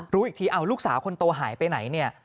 รู้อีกทีลูกสาวคนโตหายไปไหน